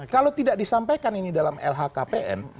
kalau tidak disampaikan ini dalam lhkpn